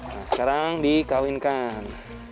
nah sekarang dikawinkan